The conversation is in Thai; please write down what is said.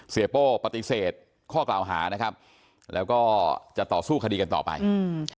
โป้ปฏิเสธข้อกล่าวหานะครับแล้วก็จะต่อสู้คดีกันต่อไปอืม